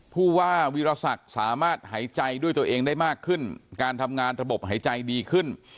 ผู้ว่าวิรสักสามารถหายใจด้วยตัวเองได้มากขึ้นการทำงานระบบหายใจดีขึ้น